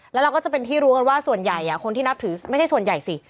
แล้วเราก็จะเป็นที่รู้กันว่าส่วนใหญ่คนที่นับถือไม่ใช่ส่วนใหญ่สิ